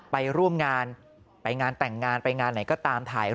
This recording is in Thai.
ไปร่วมงานไปงานแต่งงานไปงานไหนก็ตามถ่าย